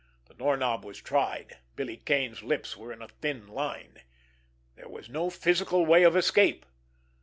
The doorknob was tried. Billy Kane's lips were a thin line. There was no physical way of escape.